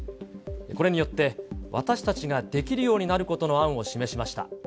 これによって、私たちができるようになることの案を示しました。